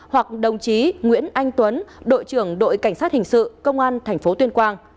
hoặc đồng chí nguyễn anh tuấn đội trưởng đội cảnh sát hình sự công an tp tuyên quang